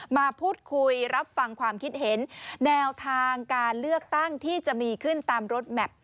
มาพูดคุยรับฟังความคิดเห็นแนวทางการเลือกตั้งที่จะมีขึ้นตามรถแมพ